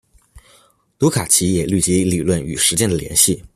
卢卡奇也虑及理论与实践的联系。